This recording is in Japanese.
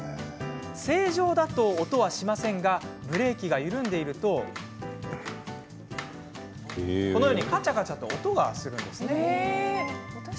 正常だと音はしませんがブレーキが緩んでいるとこのようにカチャカチャと音がします。